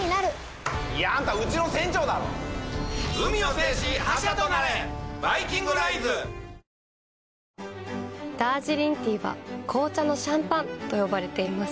生しょうゆはキッコーマンダージリンティーは紅茶のシャンパンと呼ばれています。